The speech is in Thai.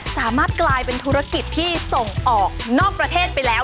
สามารถกลายเป็นธุรกิจที่ส่งออกนอกประเทศไปแล้ว